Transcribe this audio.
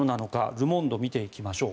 ル・モンド見ていきましょう。